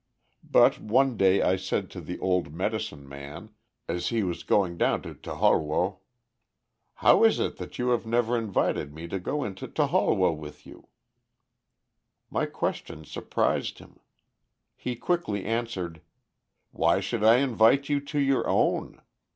But one day I said to the old Medicine Man, as he was going down to toholwoh, "How is it you have never invited me to go into toholwoh with you?" My question surprised him. He quickly answered, "Why should I invite you to your own?